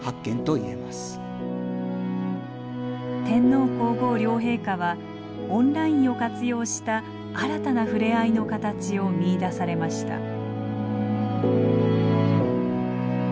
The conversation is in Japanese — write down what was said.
天皇皇后両陛下はオンラインを活用した新たな触れ合いの形を見いだされました。